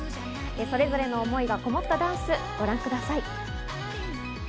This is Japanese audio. それぞれの思いがこもったダンスご覧ください。